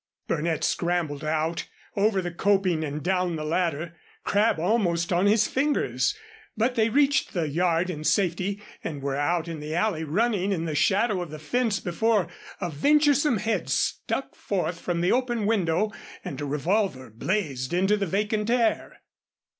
Burnett scrambled out, over the coping and down the ladder, Crabb almost on his fingers. But they reached the yard in safety and were out in the alley running in the shadow of the fence before a venturesome head stuck forth from the open window and a revolver blazed into the vacant air.